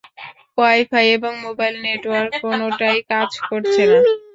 Wifi এবং mobile network কোনটাই কাজ করছে না।